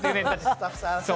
スタッフさん。